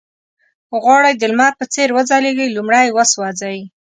که غواړئ د لمر په څېر وځلېږئ لومړی وسوځئ.